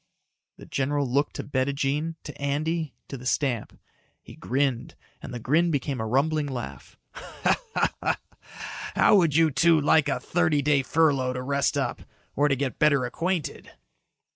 The general looked to Bettijean, to Andy, to the stamp. He grinned and the grin became a rumbling laugh. "How would you two like a thirty day furlough to rest up or to get better acquainted?"